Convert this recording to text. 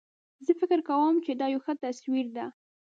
زه فکر کوم چې دا یو ښه تصویر ده